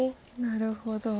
なるほど。